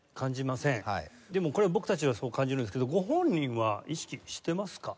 でもこれ僕たちはそう感じるんですけどご本人は意識してますか？